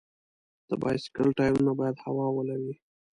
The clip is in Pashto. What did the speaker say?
د بایسکل ټایرونه باید هوا ولري.